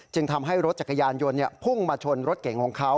ทำให้รถจักรยานยนต์พุ่งมาชนรถเก่งของเขา